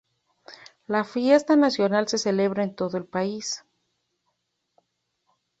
La fiesta nacional se celebra en todo el país.